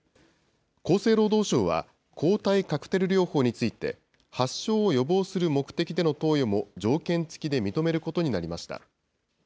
厚生労働省は、抗体カクテル療法について、発症を予防する目的での投与も条件付きで認めることになりました。